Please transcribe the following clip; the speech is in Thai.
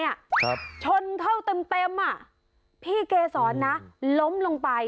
ครับชนเข้าเต็มเต็มอ่ะพี่เกศรนะล้มลงไป